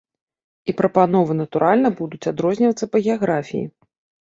І прапановы, натуральна, будуць адрознівацца па геаграфіі.